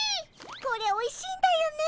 これおいしいんだよね。